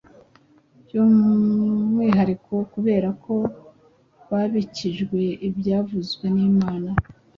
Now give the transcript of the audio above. by’umwihariko kubera ko “babikijwe ibyavuzwe n’Imana.”